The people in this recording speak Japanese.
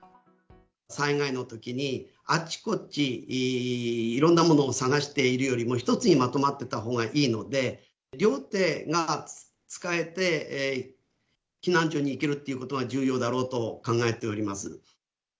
災害のときに、あちこち、いろんなものを探しているよりも、一つにまとまってたほうがいいので、両手が使えて、避難所に行けるということが重要だろうと考えております。